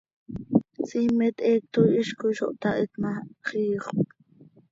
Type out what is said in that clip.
Siimet heecto hizcoi zo htahit ma, xiixöp.